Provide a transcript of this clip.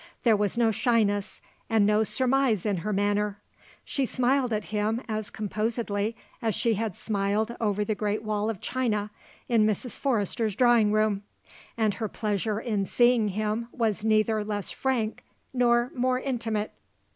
There was no shyness and no surmise in her manner. She smiled at him as composedly as she had smiled over the Great Wall of China in Mrs. Forrester's drawing room, and her pleasure in seeing him was neither less frank nor more intimate.